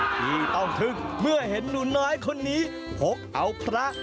ที่ต้องทึกเมื่อเห็นหนูน้อยคนนี้พกเอาพระ